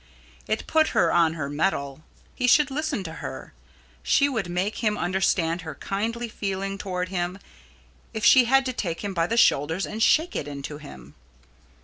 It put her on her mettle. He should listen to her. She would make him understand her kindly feeling towards him if she had to take him by the shoulders and shake it into him.